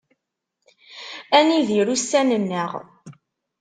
Ad nidir ussan-nneɣ.